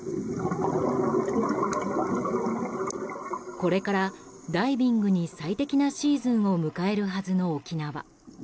これからダイビングに最適なシーズンを迎えるはずの沖縄。